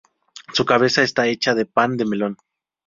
Su cabeza está hecha de pan de melón.